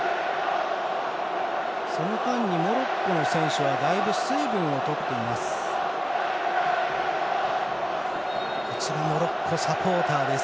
その間に、モロッコの選手はだいぶ水分をとっています。